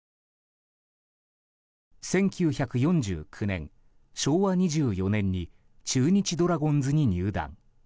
１９４９年、昭和２４年に中日ドラゴンズに入団。